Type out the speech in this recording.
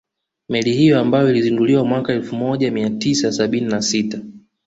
Meli hiyo ambayo ilizinduliwa mwaka elfu moja mia tisa sabini na sita